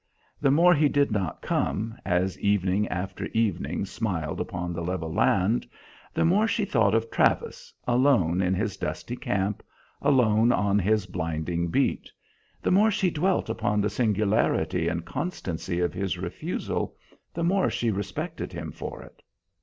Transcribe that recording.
The more he did not come, as evening after evening smiled upon the level land; the more she thought of Travis, alone in his dusty camp, alone on his blinding beat; the more she dwelt upon the singularity and constancy of his refusal, the more she respected him for it.